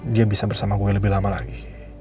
dia bisa bersama gue lebih lama lagi